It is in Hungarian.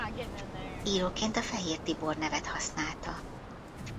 Íróként a Fehér Tibor nevet használta.